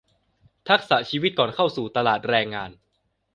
ทักษะชีวิตก่อนเข้าสู่ตลาดแรงงาน